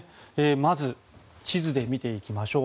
まず、地図で見ていきましょう。